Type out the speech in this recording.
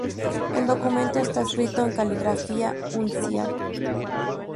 El documento está escrito en caligrafía uncial.